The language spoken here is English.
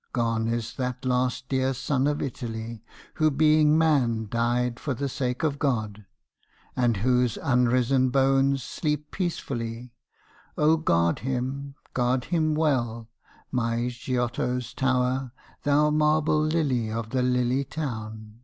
Gone is that last dear son of Italy, Who being man died for the sake of God, And whose unrisen bones sleep peacefully, O guard him, guard him well, my Giotto's tower, Thou marble lily of the lily town!